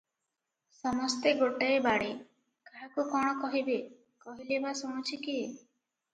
ସମସ୍ତେ ଗୋଟାଏ ବାଡ଼େ, କାହାକୁ କଣ କହିବେ, କହିଲେ ବା ଶୁଣୁଛି କିଏ?